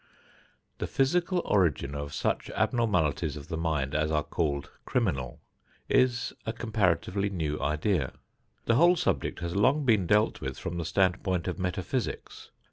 The physical origin of such abnormalities of the mind as are called "criminal" is a comparatively new idea. The whole subject has long been dealt with from the standpoint of metaphysics.